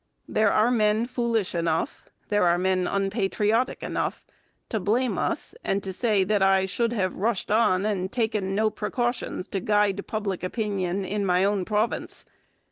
There are men foolish enough, there are men unpatriotic enough, to blame us and to say that I should have rushed on and taken no precautions to guide public opinion in my own province.